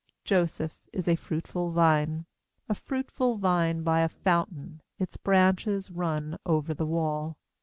22 Joseph is a fruitful vine, A fruitful vine by a fountain: Its branches run over the wall.